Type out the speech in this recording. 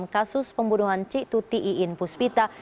kasus pembunuhan cik tuti'in puspita